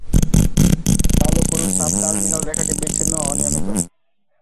কালো পুরু সাব-টার্মিনাল রেখাটি বিচ্ছিন্ন ও অনিয়মিত।